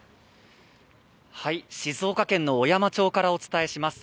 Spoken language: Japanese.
静岡県の小山町からお伝えします。